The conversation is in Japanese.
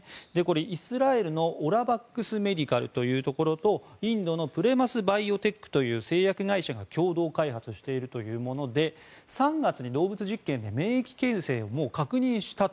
イスラエルのオラバックス・メディカルというところとインドのプレマスバイオテックという製薬会社が共同開発しているというもので３月に動物実験で免疫形成は確認したと。